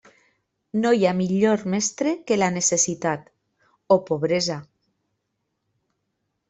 No hi ha millor mestre que la necessitat, o pobresa.